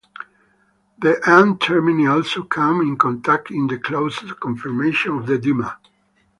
The N-termini also come in contact in the closed conformation of the dimer.